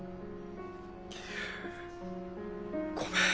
ごめん。